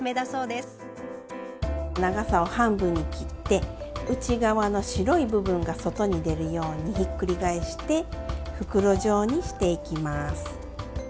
長さを半分に切って内側の白い部分が外に出るようにひっくり返して袋状にしていきます。